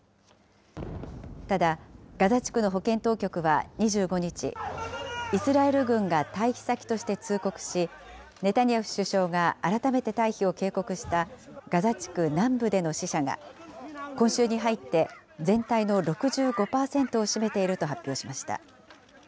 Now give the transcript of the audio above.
ただ、ガザ地区の保健当局は２５日、イスラエル軍が退避先として通告し、ネタニヤフ首相が改めて退避を警告したガザ地区南部での死者が、今週に入って、全体の６５％を占めていると発表しました。